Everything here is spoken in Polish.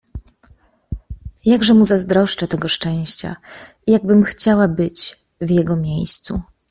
"Jakżeż mu zazdroszczę tego szczęścia i jakbym chciała być w jego miejscu!"